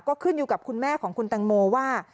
ก็ขึ้นอยู่กับคุณแม่ของคุณตังโมว่า